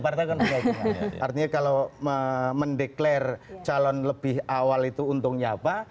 artinya kalau mendeklarasi calon lebih awal itu untungnya apa